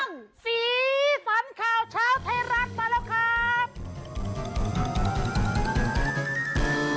สีสันข่าวเช้าไทยรัฐมาแล้วครับ